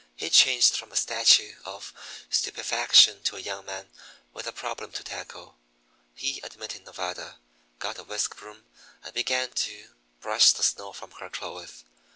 He changed from a statue of stupefaction to a young man with a problem to tackle. He admitted Nevada, got a whisk broom, and began to brush the snow from her clothes.